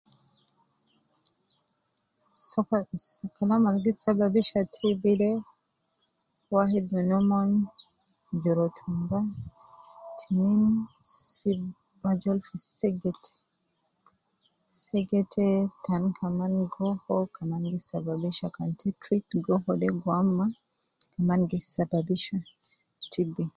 Sokol as, kalam al gi sababisha TB de wahid min omon juru tumba, tinin sib ajol fi segete, segete tan kaman goho gi sababisha, kan te treat goho de guam ma, kaman gi sababisha TB